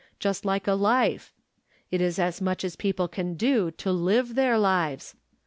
375 just like a life ? It is as much as people can do to live their lives.